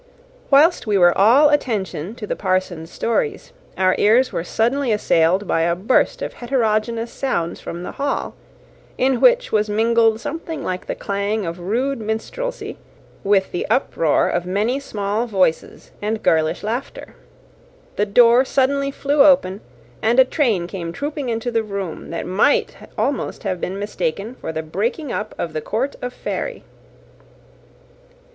Whilst we were all attention to the parson's stories, our ears were suddenly assailed by a burst of heterogeneous sounds from the hall, in which was mingled something like the clang of rude minstrelsy, with the uproar of many small voices and girlish laughter. The door suddenly flew open, and a train came trooping into the room, that might almost have been mistaken for the breaking up of the court of Fairy.